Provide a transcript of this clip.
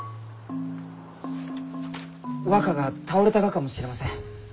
若が倒れたがかもしれません。